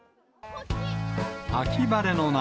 秋晴れの中、